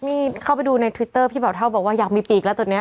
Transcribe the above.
นี่เข้าไปดูในทวิตเตอร์พี่เบาเท่าบอกว่าอยากมีปีกแล้วตอนนี้